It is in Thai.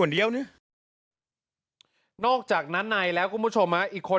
นี่มันประมาณ๐๗ล้านบาทวันนั้น